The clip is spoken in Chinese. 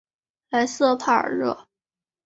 莱塞帕尔热。